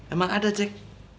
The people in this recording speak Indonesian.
emang ada ceng